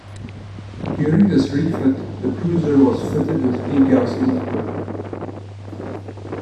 During this refit, the cruiser was fitted with degaussing equipment.